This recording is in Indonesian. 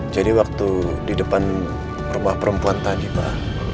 jadi waktu di depan rumah perempuan tadi pak